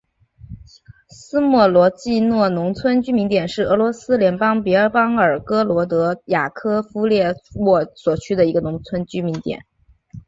斯莫罗季诺农村居民点是俄罗斯联邦别尔哥罗德州雅科夫列沃区所属的一个农村居民点。